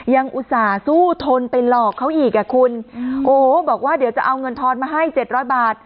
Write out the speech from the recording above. อุตส่าห์สู้ทนไปหลอกเขาอีกอ่ะคุณโอ้โหบอกว่าเดี๋ยวจะเอาเงินทอนมาให้เจ็ดร้อยบาท